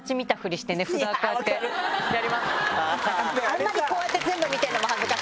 あんまりこうやって全部見てるのも恥ずかしいから。